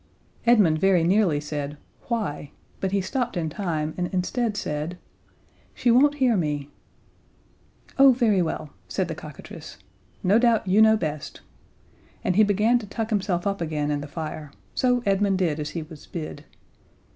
Edmund very nearly said "Why?" but he stopped in time, and instead, said: "She won't hear me " "Oh, very well," said the cockatrice. "No doubt you know best," and he began to tuck himself up again in the fire, so Edmund did as he was bid.